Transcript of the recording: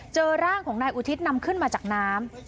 เจอร่างของนายอุทิศนำขึ้นมาจากน้ำ